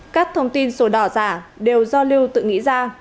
các thông tin sổ đỏ giả đều do lưu tự nghĩ ra